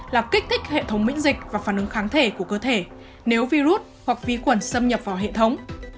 là kích thích hệ thống mỹ dịch và phản ứng kháng thể của cơ thể nếu virus hoặc ví quẩn xâm nhập vào hệ thống